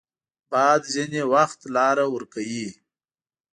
باد ځینې وخت لاره ورکوي